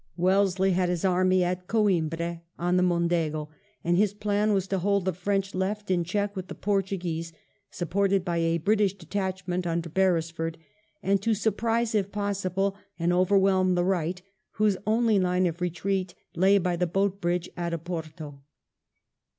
Wellesley had his army at Coimbra on the Mondego, and his plan was to hold the French left in check with the Portuguese, supported by a British detachment under Beresf ord, and to surprise if possible and overwhelm the right, whose only line of retreat lay by the boat bridge at Oporto.